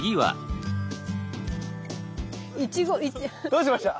どうしました？